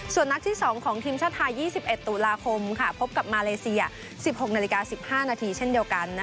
ส่วนนัดที่๒ของทีมชาติไทย๒๑ตุลาคมพบกับมาเลเซีย๑๖นาฬิกา๑๕นาทีเช่นเดียวกัน